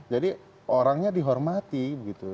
jadi orangnya dihormati begitu